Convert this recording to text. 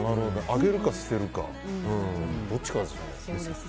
あげるか捨てるかどっちかですね。